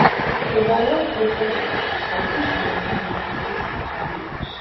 მდებარეობს დნეპროპეტროვსკის ოლქის ვერხნედნეპროვსკის რაიონში.